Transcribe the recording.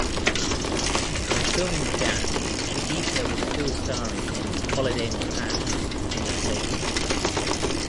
When filming began, Shigeta was still starring in "Holiday in Japan" in Las Vegas.